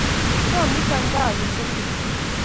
Komuta ga kipsengwet